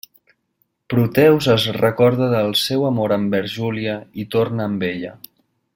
Proteus es recorda del seu amor envers Júlia i torna amb ella.